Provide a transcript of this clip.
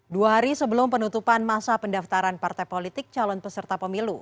dua hari sebelum penutupan masa pendaftaran partai politik calon peserta pemilu